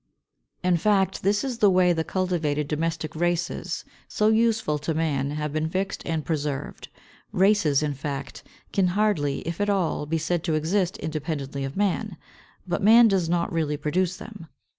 In fact, this is the way the cultivated domesticated races, so useful to man, have been fixed and preserved. Races, in fact, can hardly, if at all, be said to exist independently of man. But man does not really produce them.